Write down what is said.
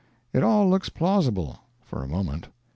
It all looks plausible for a moment.